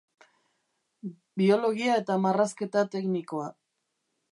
Biologia eta Marrazketa Teknikoa.